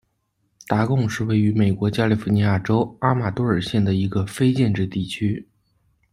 达贡是位于美国加利福尼亚州阿马多尔县的一个非建制地区。